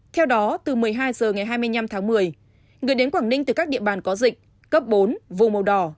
theo đó từ một mươi hai h ngày hai mươi năm tháng một mươi người đến quảng ninh từ các địa bàn có dịch cấp bốn vùng màu đỏ